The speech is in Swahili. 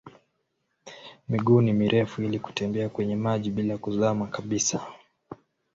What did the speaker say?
Miguu ni mirefu ili kutembea kwenye maji bila kuzama kabisa.